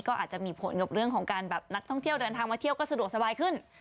ก็อาจจะมีผลกับเรื่องของการแบบนักท่องเที่ยวเดินทางมาเที่ยวก็สะดวกสบายขึ้น